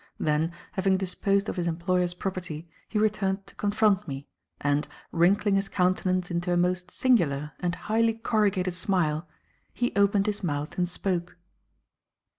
Then, having disposed of his employer's property, he returned to confront me, and, wrinkling his countenance into a most singular and highly corrugated smile, he opened his mouth and spoke.